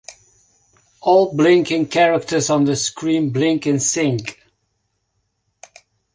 All blinking characters on the screen blink in sync.